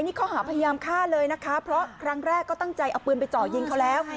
นี่ข้อหาพยายามฆ่าเลยนะคะเพราะครั้งแรกก็ตั้งใจเอาปืนไปเจาะยิงเขาแล้ว